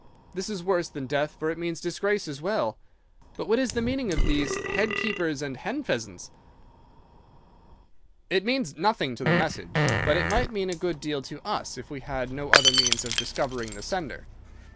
'This is worse than death, for it means disgrace as well. But what is the meaning of these "head keepers" and "hen pheasants"?' "'It means nothing to the message, but it might mean a good deal to us if we had no other means of discovering the sender.